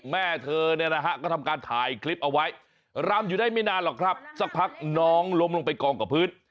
แม่เธอเนี่ยนะฮะก็ทำการถ่ายคลิปเอาไว้รำอยู่ได้ไม่นานหรอกครับสักพักน้องล้มลงไปกองกับพื้น